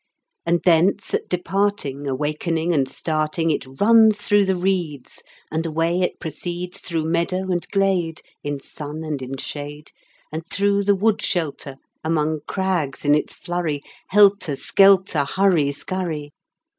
And thence at departing, Awakening and starting, It runs through the reeds, And away it proceeds, Through meadow and glade, In sun and in shade, And through the wood shelter, Among crags in its flurry, Helter skelter, Hurry skurry.